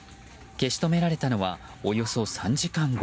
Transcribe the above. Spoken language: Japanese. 消し止められたのはおよそ３時間後。